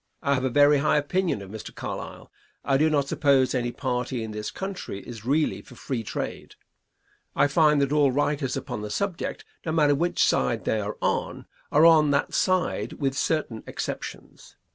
I have a very high opinion of Mr. Carlisle. I do not suppose any party in this country is really for free trade. I find that all writers upon the subject, no matter which side they are on, are on that side with certain exceptions.